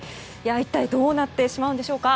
一体どうなってしまうんでしょうか。